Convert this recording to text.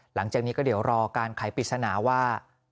หลังจากนี้ก็เดี๋ยวรอการไขปริศนาว่า